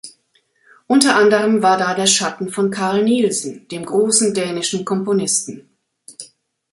Unter anderem war da der Schatten von Carl Nielsen, dem großen dänischen Komponisten.